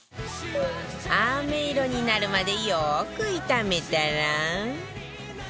飴色になるまでよく炒めたら